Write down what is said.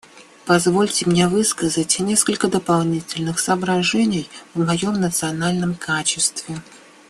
Позвольте мне высказать несколько дополнительных соображений в моем национальном качестве.